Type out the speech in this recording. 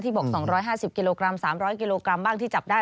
บอก๒๕๐กิโลกรัม๓๐๐กิโลกรัมบ้างที่จับได้